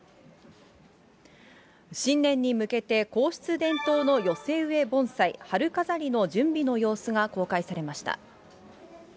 新年に向けて、皇室伝統の寄せ植え盆栽、春飾りの準備の様子が公開されました。